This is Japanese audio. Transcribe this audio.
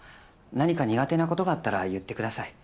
何か苦手なことがあったら言ってください。